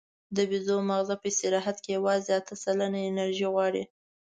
د بیزو ماغزه په استراحت کې یواځې اته سلنه انرژي غواړي.